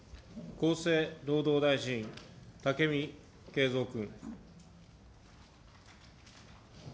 厚生労働大臣、武見敬三君。